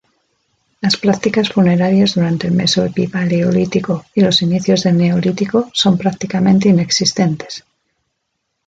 Las prácticas funerarias durante el Meso-epipaleolítico y los inicios del Neolítico son prácticamente inexistentes.